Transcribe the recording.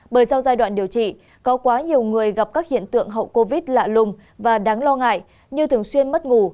bởi sau giai đoạn điều trị có quá nhiều người gặp các hiện tượng hậu covid lạ lùng và đáng lo ngại như thường xuyên mất ngủ